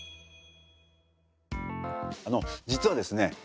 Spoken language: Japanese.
あの実はですね